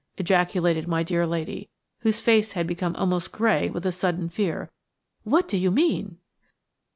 ejaculated my dear lady, whose face had become almost grey with a sudden fear. "What do you mean?"